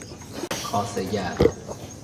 کاسه گر